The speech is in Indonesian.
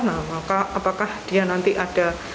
nah maka apakah dia nanti ada